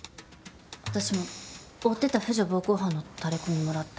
私も追ってた婦女暴行犯のタレこみもらった。